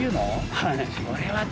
はい。